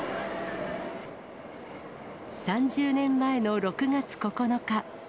３０年前の６月９日。